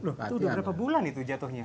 itu udah berapa bulan itu jatuhnya